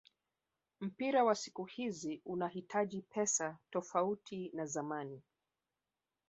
Mpira wa siku hizi unahitaji pesa tofauti na zamani